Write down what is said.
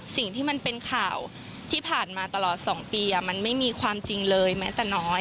สิ่งที่มันเป็นข่าวที่ผ่านมาตลอด๒ปีมันไม่มีความจริงเลยแม้แต่น้อย